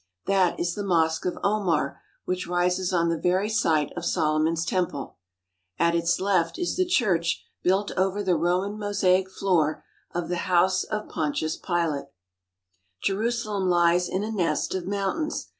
That is the Mosque of Omar which rises on the very site of Solomon's temple. At its left is the church built over the Roman mosaic floor of the house of Pontius Pilate. Jerusalem lies in a nest of mountains.